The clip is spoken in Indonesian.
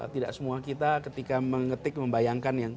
tidak semua kita ketika mengetik membayangkan yang